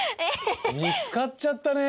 見つかっちゃったね！